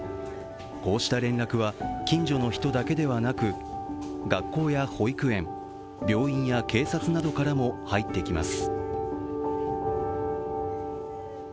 こうした連絡は近所の人だけでなく学校や保育園、病院や警察などからも入ってきます。